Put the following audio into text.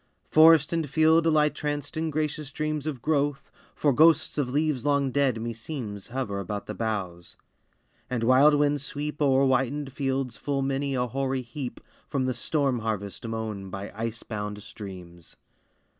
Forest and field lie tranced in gracious dreams Of growth, for ghosts of leaves long dead, me seems, Hover about the boughs; and wild winds sweep O'er whitened fields full many a hoary heap From the storm harvest mown by ice bound streams!